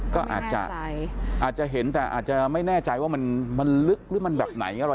ก็อาจจะเห็นแต่อาจจะไม่แน่ใจว่ามันลึกหรือมันแบบไหนอะไร